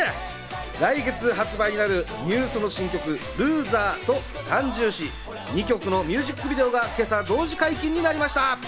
来月発売になるニュースの新曲『ＬＯＳＥＲ』と『三銃士』、２曲のミュージックビデオが今朝同時解禁になりました。